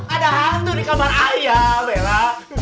ada hantu di kamar ayah bella